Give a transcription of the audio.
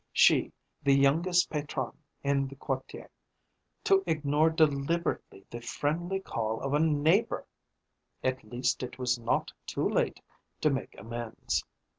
She, the youngest patronne in the quartier, to ignore deliberately the friendly call of a neighbour! At least it was not too late to make amends.